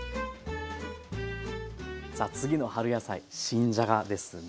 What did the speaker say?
さあ次の春野菜新じゃがですね。